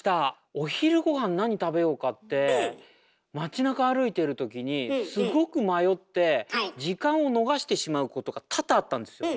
お昼ごはん何食べようかって街なか歩いてる時にすごく迷って時間を逃してしまうことが多々あったんですよ。